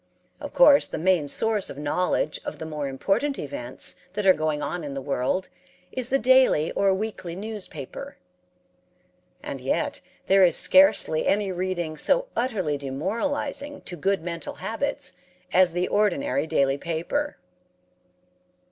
Of course the main source of knowledge of the more important events that are going on in the world is the daily or weekly newspaper; and yet there is scarcely any reading so utterly demoralizing to good mental habits as the ordinary daily paper.